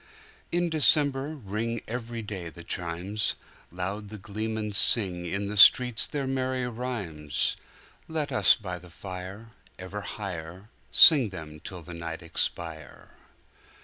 In December ring Every day the chimes; Loud the gleemen singIn the streets their merry rhymes. Let us by the fire Ever higherSing them till the night expire!